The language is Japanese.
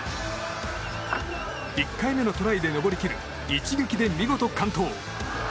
１回目のトライで登りきる一撃で見事、完登。